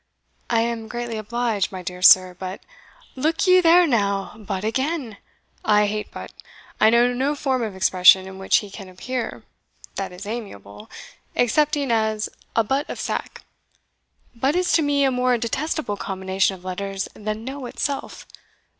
"I am greatly obliged, my dear sir, but" "Look ye there, now but again! I hate but; I know no form of expression in which he can appear, that is amiable, excepting as a butt of sack. But is to me a more detestable combination of letters than no itself.